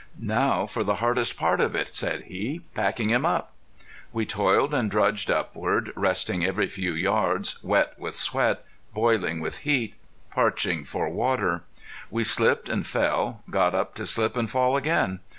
"Now for the hardest part of it," said he, "packing him up." We toiled and drudged upward, resting every few yards, wet with sweat, boiling with heat, parching for water. We slipped and fell, got up to slip and fall again.